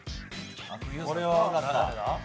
これはわかった。